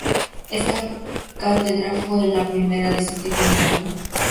Esta cátedra fue la primera de su tipo en el mundo.